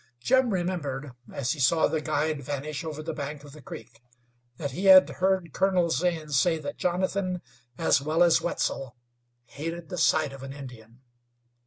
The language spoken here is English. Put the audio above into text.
Jim remembered, as he saw the guide vanish over the bank of the creek, that he had heard Colonel Zane say that Jonathan, as well as Wetzel, hated the sight of an Indian.